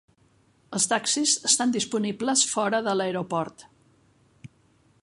Els taxis estan disponibles fora de l'aeroport.